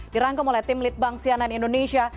dirangkum oleh tim litbang sianan indonesia